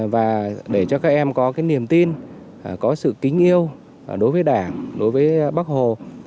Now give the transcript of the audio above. và để cho các em có cái niềm tin có sự kính yêu đối với đảng đối với bắc hồ